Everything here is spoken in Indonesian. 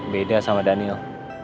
beda sama daniel